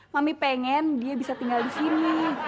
kami pengen dia bisa tinggal di sini